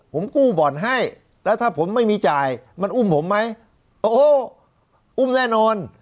ผมกู้บ่อนให้แล้วถ้าผมไม่มีจ่ายมันอุ้มผมไหมโอ้อุ้มแน่นอน